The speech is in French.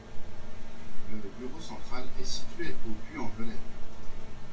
Le bureau centralisateur est situé au Puy-en-Velay.